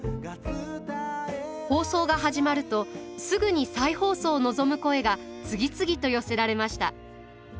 放送が始まるとすぐに再放送を望む声が次々と寄せられました。